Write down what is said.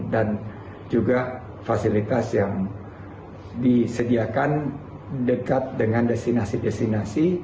dan juga fasilitas yang disediakan dekat dengan destinasi destinasi